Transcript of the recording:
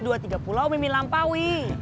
dua tiga pulau mimi lampaui